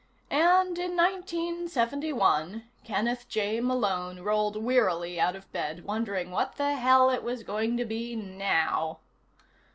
And, in nineteen seventy one, Kenneth J. Malone rolled wearily out of bed wondering what the hell it was going to be now.